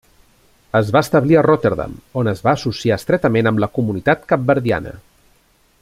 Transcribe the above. Es va establir a Rotterdam, on es va associar estretament amb la comunitat capverdiana.